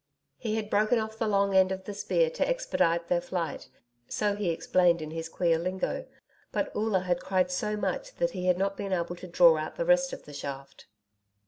He had broken off the long end of the spear to expedite their flight so he explained in his queer lingo but Oola had cried so much that he had not been able to draw out the rest of the shaft.